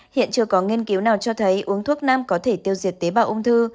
hiện chưa có nghiên cứu nào cho thấy uống thuốc nam có thể tiêu diệt tế bào ung thư